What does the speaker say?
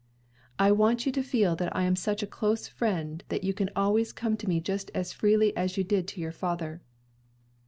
I want you to feel that I am such a close friend that you can always come to me just as freely as you did to your father."